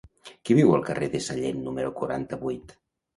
Qui viu al carrer de Sallent número quaranta-vuit?